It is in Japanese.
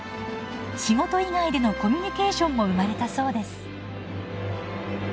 仕事以外でのコミュニケーションも生まれたそうです。